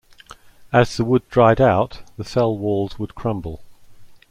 As the wood dried out, the cell walls would crumble.